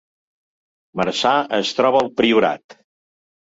Marçà es troba al Priorat